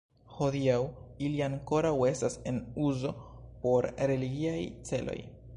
Hodiaŭ ili ankoraŭ estas en uzo por religiaj celoj.